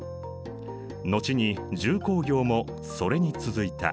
後に重工業もそれに続いた。